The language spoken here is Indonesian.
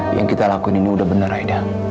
yang kita lakuin ini udah bener aida